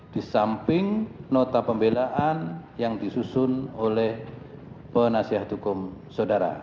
di samping nota pembelaan yang disusun oleh penasihat hukum saudara